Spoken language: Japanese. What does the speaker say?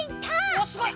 おっすごい！